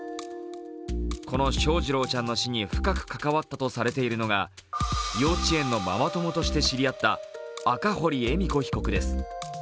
この翔士郎ちゃんの死に深く関わったとされているのが幼稚園のママ友として知り合った赤堀恵美子被告です。